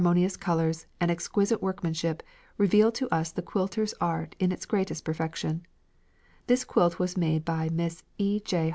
Its pleasing design, harmonious colours, and exquisite workmanship reveal to us the quilter's art in its greatest perfection. This quilt was made by Miss E. J.